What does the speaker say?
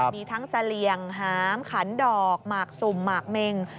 มีทั้งเสลี่ยงหามขันดอกหมากสุ่มหมากเมง